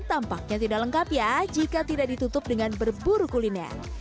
tampaknya tidak lengkap ya jika tidak ditutup dengan berburu kuliner